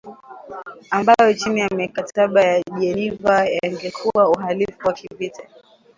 ambayo chini ya mikataba ya Jeniva yangekuwa uhalifu wa kivita